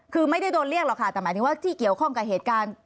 คือไม่ได้โดนเรียกหรอกค่ะแต่หมายถึงว่าที่เกี่ยวข้องกับเหตุการณ์